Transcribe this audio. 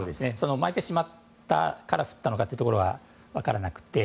まいてしまったから降ったのかどうかは分からなくて。